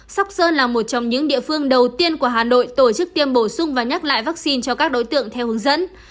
sóc sơn là một trong những địa phương đầu tiên của hà nội tổ chức tiêm bổ sung và nhắc lại vaccine cho các đối tượng theo hướng dẫn